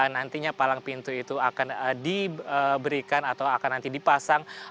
nantinya palang pintu itu akan diberikan atau akan nanti dipasang